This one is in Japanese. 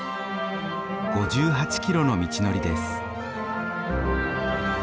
５８キロの道のりです。